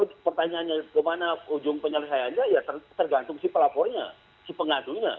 jadi kalau pertanyaannya ke mana ujung penyelesaiannya ya tergantung si pelapornya si pengadunya